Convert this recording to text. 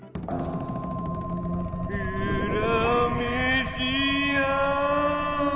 うらめしや。